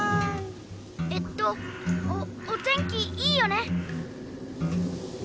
「えっと、お、お天気いいよね」